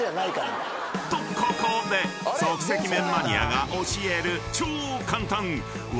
［とここで即席麺マニアが教える］